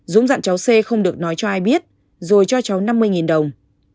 dũng dặn cháu c không được nói cho ai biết rồi cho cháu năm mươi đồng